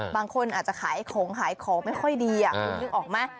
บางคนอาจจะขายของขายของไม่ค่อยดีคุณนึกออกไหม